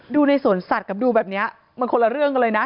ดูในสวนสัตว์กับดูแบบนี้มันคนละเรื่องกันเลยนะ